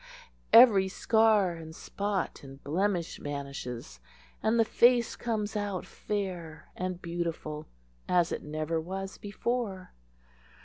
every scar and spot and blemish vanishes, and the face comes out fair and beautiful as it never was before.